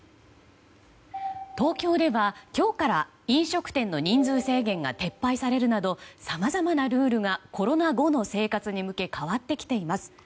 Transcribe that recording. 東京では今日から飲食店の人数制限が撤廃されるなどさまざまなルールがコロナ後の生活に向け変わってきています。